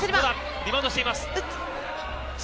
リバウンドしています。